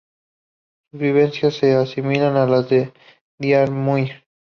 Sus vivencias se asimilan a las de Diarmuid.